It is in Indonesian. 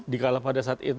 dikala pada saat itu